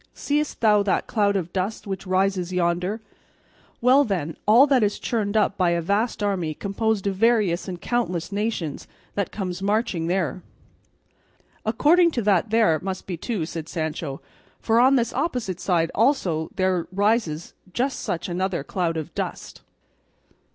Seest thou that cloud of dust which rises yonder? Well, then, all that is churned up by a vast army composed of various and countless nations that comes marching there." "According to that there must be two," said Sancho, "for on this opposite side also there rises just such another cloud of dust."